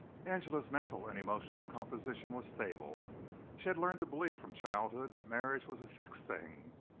Angela's mental and emotional composition was stable. She had learned to believe from childhood that marriage was a fixed thing.